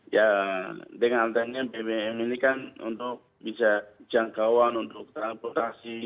ya dengan adanya bbm ini kan untuk bisa jangkauan untuk transportasi